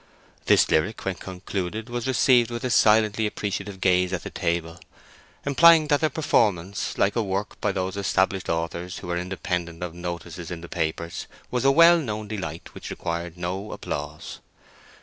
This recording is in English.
This lyric, when concluded, was received with a silently appreciative gaze at the table, implying that the performance, like a work by those established authors who are independent of notices in the papers, was a well known delight which required no applause.